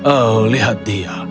oh lihat dia